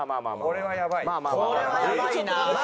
これはやばいな。